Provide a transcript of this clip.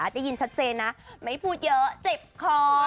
ได้ยินชัดเจนนะไม่พูดเยอะเจ็บคอ